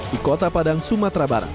di kota padang sumatera barat